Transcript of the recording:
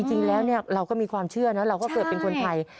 จริงแล้วเราก็มีความเชื่อนะเราก็เกิดเป็นคนไทย